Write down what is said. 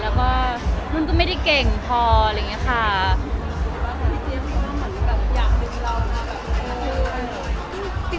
แล้วก็รุ่นก็ไม่ได้เก่งพออะไรอย่างนี้ค่ะ